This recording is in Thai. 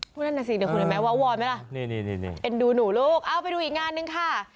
นั่นน่ะสิเดี๋ยวคุณเห็นไหมว้าวอนไหมล่ะนี่เอ็นดูหนูลูกเอาไปดูอีกงานนึงค่ะ